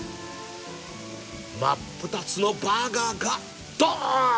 真っ二つのバーガーがどん！